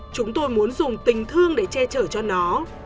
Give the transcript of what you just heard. chúng tôi muốn dùng tình thương để che chở cho nó